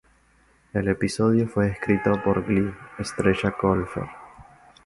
El episodio fue escrito por Glee estrella Colfer.